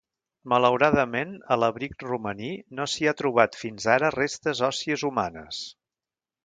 Malauradament, a l'abric Romaní no s'hi ha trobat fins ara restes òssies humanes.